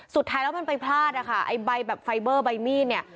สุดท้ายแล้วมันไปพลาดนะคะไอ้ใบแบบไฟเบอร์ใบมีดเนี่ย